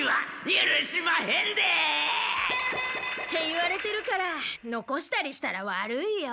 言われてるからのこしたりしたら悪いよ。